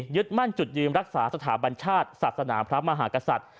ยึดมั่นจุดยืนรักษาสถาบัญชาติศาสนาพระมหากษัตริย์